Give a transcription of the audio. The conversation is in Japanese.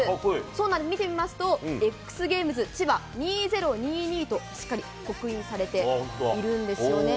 そうなんです、見てみますと、エックスゲームズチバ２０２２と、しっかり刻印されているんですよね。